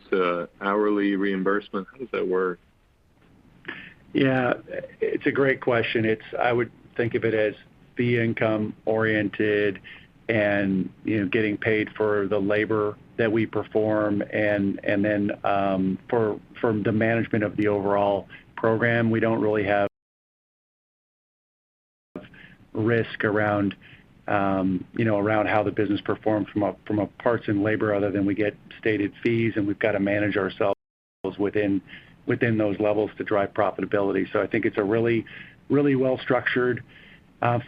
hourly reimbursement? How does that work? Yeah. It's a great question. I would think of it as fee income oriented and, you know, getting paid for the labor that we perform and then for the management of the overall program. We don't really have risk around you know around how the business performs from a parts and labor other than we get stated fees, and we've got to manage ourselves within those levels to drive profitability. I think it's a really, really well-structured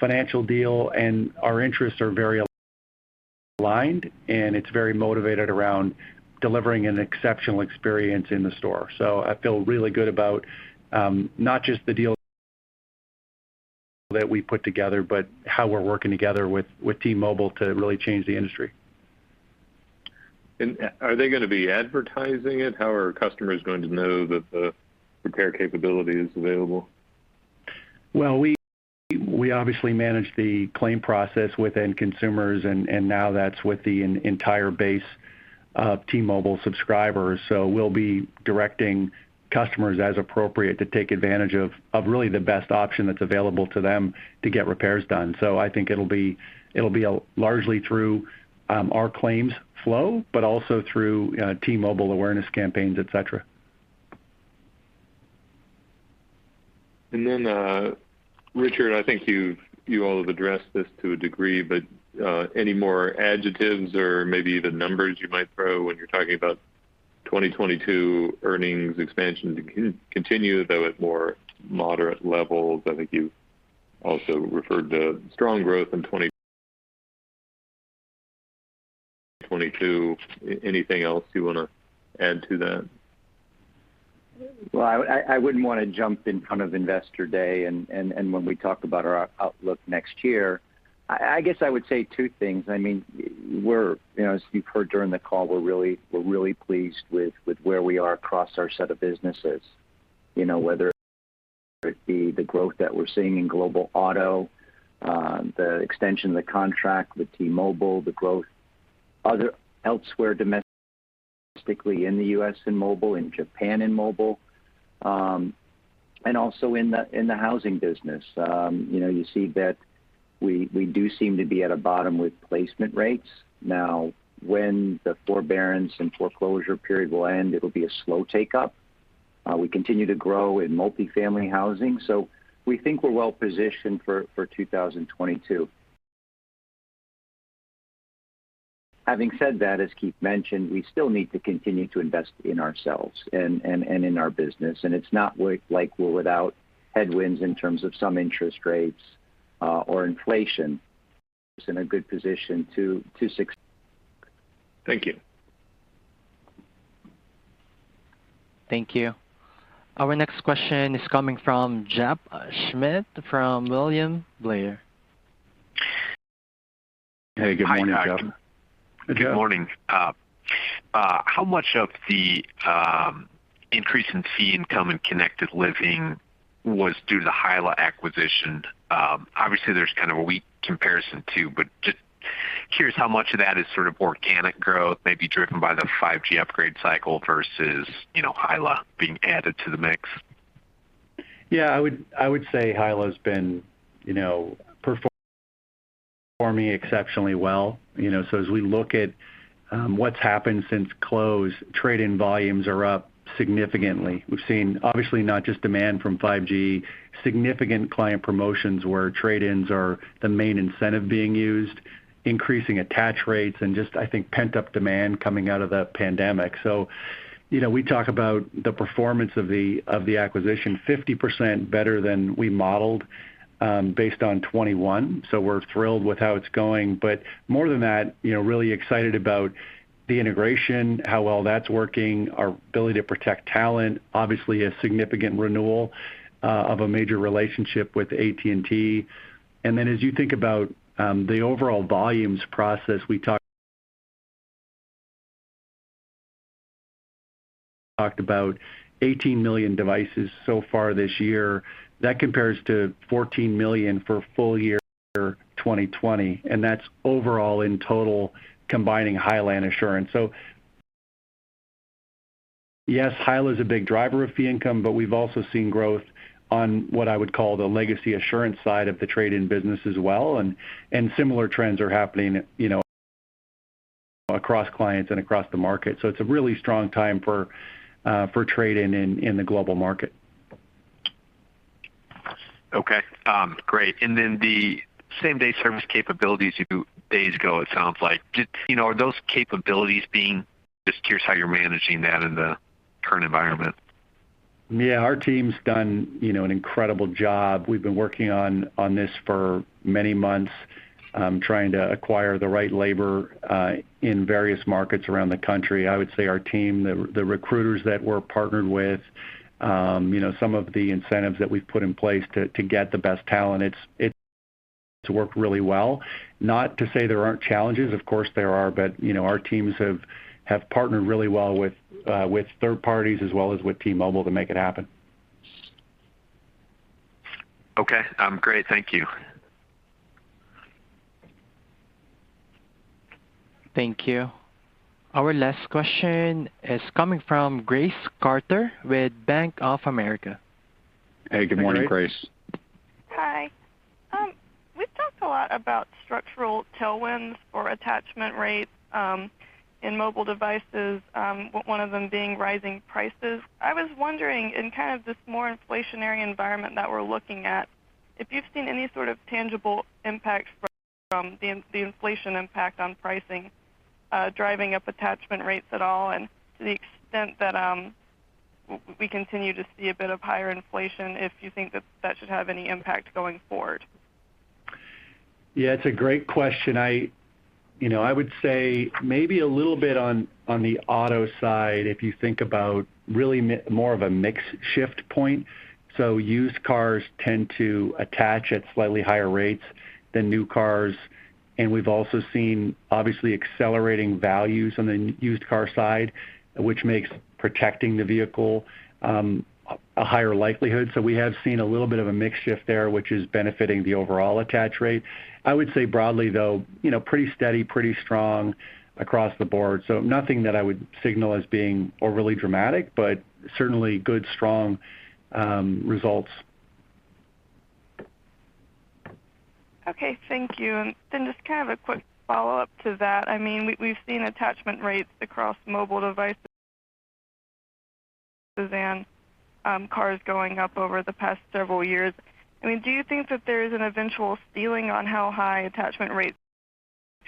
financial deal, and our interests are very aligned, and it's very motivated around delivering an exceptional experience in the store. I feel really good about not just the deal that we put together, but how we're working together with T-Mobile to really change the industry. Are they gonna be advertising it? How are customers going to know that the repair capability is available? Well, we obviously manage the claim process with end consumers, and now that's with the entire base of T-Mobile subscribers. We'll be directing customers as appropriate to take advantage of really the best option that's available to them to get repairs done. I think it'll be largely through our claims flow, but also through T-Mobile awareness campaigns, et cetera. Richard, I think you all have addressed this to a degree, but any more adjectives or maybe even numbers you might throw when you're talking about 2022 earnings expansion to continue, though at more moderate levels. I think you also referred to strong growth in 2022. Anything else you wanna add to that? I wouldn't wanna jump in front of Investor Day and when we talk about our outlook next year. I guess I would say two things. I mean, we're, you know, as you've heard during the call, we're really pleased with where we are across our set of businesses. You know, whether it be the growth that we're seeing in Global Automotive, the extension of the contract with T-Mobile, the growth otherwise elsewhere domestically in the U.S. in mobile, in Japan in mobile, and also in the housing business. You know, you see that we do seem to be at a bottom with placement rates. Now, when the forbearance and foreclosure period will end, it'll be a slow take-up. We continue to grow in multifamily housing, so we think we're well positioned for 2022. Having said that, as Keith mentioned, we still need to continue to invest in ourselves and in our business. It's not like we're without headwinds in terms of some interest rates or inflation. It's in a good position to succeed. Thank you. Thank you. Our next question is coming from Jeff Schmitt from William Blair. Hey, good morning, Jeff. Good morning. Hey, Jeff. Good morning. How much of the increase in fee income and Connected Living was due to the HYLA acquisition? Obviously, there's kind of a weak comparison, too, but just curious how much of that is sort of organic growth, maybe driven by the 5G upgrade cycle vs, you know, HYLA being added to the mix. Yeah, I would say HYLA's been, you know, performing exceptionally well. You know, so as we look at what's happened since close, trade-in volumes are up significantly. We've seen obviously not just demand from 5G, significant client promotions where trade-ins are the main incentive being used, increasing attach rates and just, I think, pent-up demand coming out of the pandemic. You know, we talk about the performance of the acquisition 50% better than we modeled, based on 2021. We're thrilled with how it's going. More than that, you know, really excited about the integration, how well that's working, our ability to protect talent, obviously a significant renewal of a major relationship with AT&T. As you think about the overall volumes process, we talked about 18 million devices so far this year. That compares to $14 million for full year 2020, and that's overall in total combining HYLA and Assurant. So yes, HYLA is a big driver of fee income, but we've also seen growth on what I would call the legacy Assurant side of the trade-in business as well, and similar trends are happening, you know, across clients and across the market. So it's a really strong time for trade-in in the global market. Okay. Great. The same-day service capabilities you discussed, it sounds like. Just curious how you're managing that in the current environment. Yeah, our team's done, you know, an incredible job. We've been working on this for many months, trying to acquire the right labor in various markets around the country. I would say our team, the recruiters that we're partnered with, you know, some of the incentives that we've put in place to get the best talent, it's worked really well. Not to say there aren't challenges, of course, there are, but, you know, our teams have partnered really well with third parties as well as with T-Mobile to make it happen. Okay. Great. Thank you. Thank you. Our last question is coming from Grace Carter with Bank of America. Hey, good morning, Grace. Hey, Grace. Hi. We've talked a lot about structural tailwinds for attachment rates in mobile devices, one of them being rising prices. I was wondering, in kind of this more inflationary environment that we're looking at, if you've seen any sort of tangible impact from the inflation impact on pricing, driving up attachment rates at all, and to the extent that we continue to see a bit of higher inflation, if you think that should have any impact going forward? Yeah, it's a great question. I you know I would say maybe a little bit on the auto side, if you think about really more of a mix shift point. Used cars tend to attach at slightly higher rates than new cars. We've also seen obviously accelerating values on the used car side, which makes protecting the vehicle a higher likelihood. We have seen a little bit of a mix shift there, which is benefiting the overall attach rate. I would say broadly, though, you know, pretty steady, pretty strong across the board. Nothing that I would signal as being overly dramatic, but certainly good, strong results. Okay. Thank you. Just kind of a quick follow-up to that. I mean, we've seen attachment rates across mobile devices and cars going up over the past several years. I mean, do you think that there is an eventual ceiling on how high attachment rates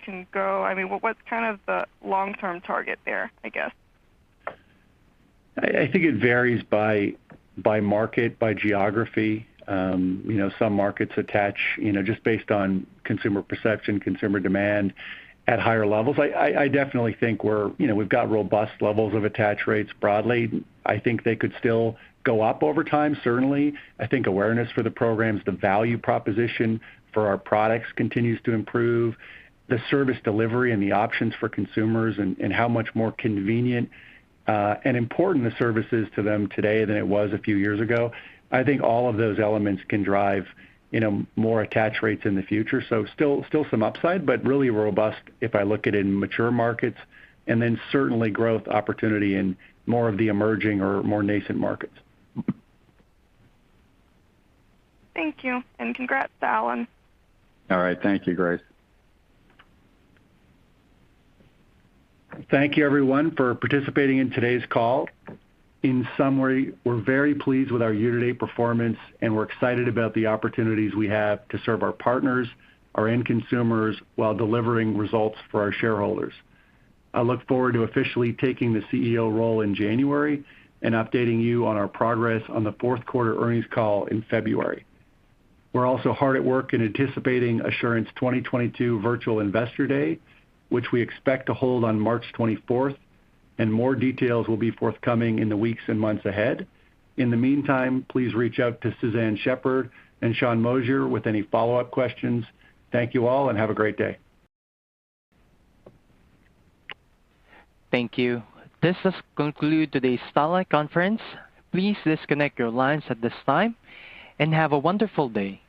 can go? I mean, what's kind of the long-term target there, I guess? I think it varies by market, by geography. You know, some markets attach, you know, just based on consumer perception, consumer demand at higher levels. I definitely think we've got robust levels of attach rates broadly. I think they could still go up over time, certainly. I think awareness for the programs, the value proposition for our products continues to improve the service delivery and the options for consumers and how much more convenient and important the service is to them today than it was a few years ago. I think all of those elements can drive, you know, more attach rates in the future. Still some upside, but really robust if I look at it in mature markets. Certainly growth opportunity in more of the emerging or more nascent markets. Thank you, and congrats to Alan. All right. Thank you, Grace. Thank you everyone for participating in today's call. In summary, we're very pleased with our year-to-date performance, and we're excited about the opportunities we have to serve our partners, our end consumers while delivering results for our shareholders. I look forward to officially taking the CEO role in January and updating you on our progress on the fourth quarter earnings call in February. We're also hard at work in anticipating Assurant 2022 virtual Investor Day, which we expect to hold on March 24, and more details will be forthcoming in the weeks and months ahead. In the meantime, please reach out to Suzanne Shepherd and Sean Moshier with any follow-up questions. Thank you all, and have a great day. Thank you. This does conclude today's teleconference. Please disconnect your lines at this time, and have a wonderful day.